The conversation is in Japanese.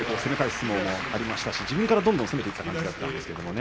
相撲もありましたし自分からどんどん攻めていったんですがね。